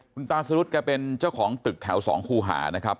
คุณตาสรุธแกเป็นเจ้าของตึกแถว๒คูหานะครับ